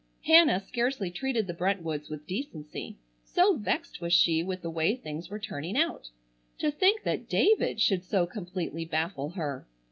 Hannah scarcely treated the Brentwoods with decency, so vexed was she with the way things were turning out. To think that David should so completely baffle her.